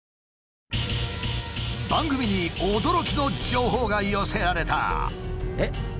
番組に驚きの情報が寄せられた。